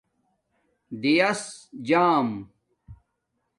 دِیݳس جݳم